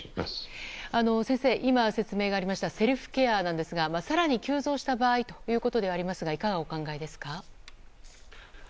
今、説明がありましたセルフケアなんですが更に急増した場合ではありますがいかがお考えですか。